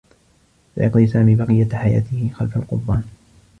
سيقضي سامي بقيّة حياته خلف القضبان.